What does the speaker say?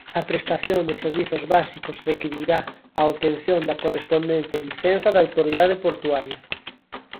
A prestación de servizos básicos requirirá a obtención da correspondente licenza da autoridade portuaria.